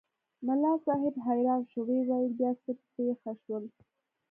ملا صاحب حیران شو وویل بیا څه پېښ شول؟